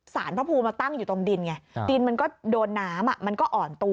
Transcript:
พระภูมิมาตั้งอยู่ตรงดินไงดินมันก็โดนน้ำมันก็อ่อนตัว